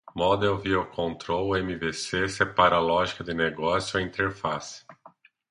Model-View-Controller (MVC) separa lógica de negócio e interface.